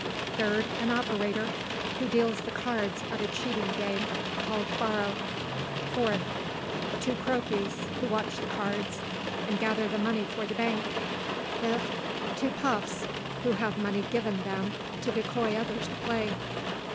3rd. An OPERATOR, who deals the cards at a cheating game, called Faro. 4th. Two CROWPEES, who watch the cards, and gather the money for the hank. 5th. Two PUFFS, who have money given them to decoy others to play.